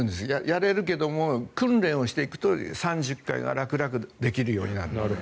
やれるけども訓練していくと３０回が楽々できるようになる。